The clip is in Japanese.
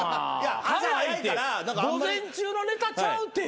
早いって午前中のネタちゃうって。